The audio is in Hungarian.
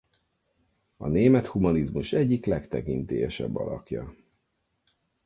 A német humanizmus egyik legtekintélyesebb alakja.